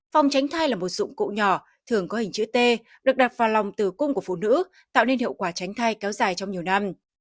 phòng tránh thai là một dụng cụ nhỏ thường có hình chữ t được đặt vào lòng từ cung của phụ nữ tạo nên hiệu quả tránh thai kéo dài trong nhiều năm